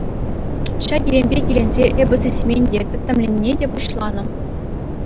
Ҫак илемпе киленсе эпӗ сисмен те — тӗттӗмлене те пуҫланӑ.